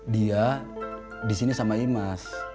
dia disini sama imas